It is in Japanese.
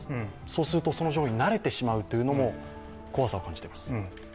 そうすると慣れてしまうというのも怖さを感じています。